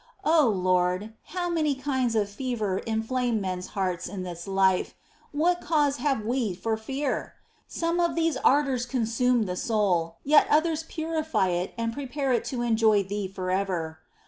5. O Lord, how many kinds of fever inflame men's hearts in this life ! What cause have we for fear ! Some of these ardours consume the soul, yet others purify it and prepare it to enjoy Thee for ever.